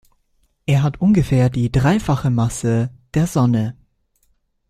Er hat ungefähr die dreifache Masse der Sonne.